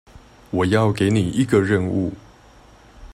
我要給你一個任務